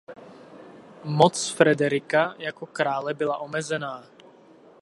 Moc Frederika jako krále byla omezená.